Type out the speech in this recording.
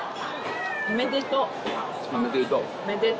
おめでと。